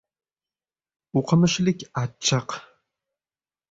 O‘qimishlilik achchiq